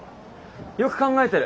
よく考えてる。